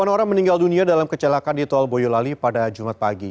delapan orang meninggal dunia dalam kecelakaan di tol boyolali pada jumat pagi